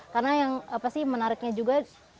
karena yang menariknya juga